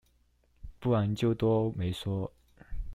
不然就都沒說